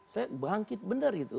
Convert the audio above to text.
saya bangkit benar gitu